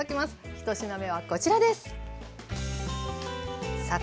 １品目はこちらです。